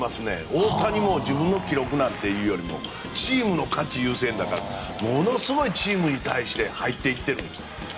大谷も自分の記録なんてよりもチームの勝ちが優先だからものすごいチームに対して入っていってるんです。